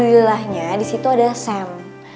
dan alhamdulillahnya disitu ada sam